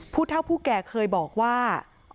ผู้เท่าผู้แก่เคยบอกว่า